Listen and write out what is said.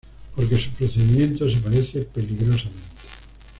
porque su procedimiento se parece peligrosamente